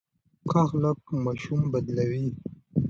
ښه اخلاق ماشوم بدلوي.